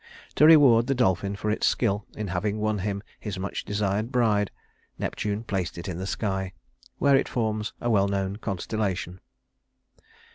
To reward the dolphin for its skill in having won for him his much desired bride, Neptune placed it in the sky, where it forms a well known constellation.